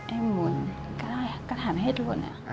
em muốn cắt cắt hẳn hết luôn ạ